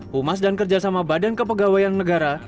humas dan kerjasama badan kepegawaian negara